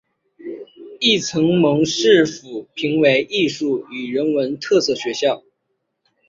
亦曾蒙市府评为艺术与人文特色学校。